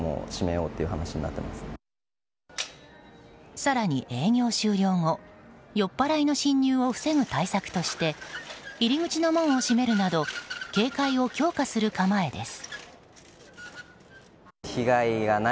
更に、営業終了後酔っぱらいの侵入を防ぐ対策として入り口の門を閉めるなど警戒を強化する構えです。